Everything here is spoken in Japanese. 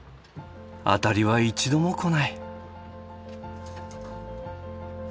アタリは一度も来ない。